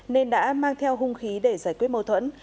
nên đã mang theo hung khí để giải quyết mâu thuẫn